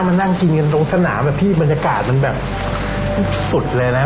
งานอ่านกลังกินกันตรงสนามอ่ะพี่บรรยากาศนั้นแบบอุ้มสุดเลยเลยแม่วะ